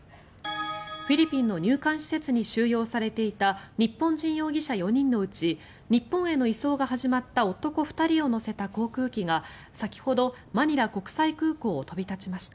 フィリピンの入管施設に収容されていた日本人容疑者４人のうち日本への移送が始まった男２人を乗せた航空機が先ほど、マニラ国際空港を飛び立ちました。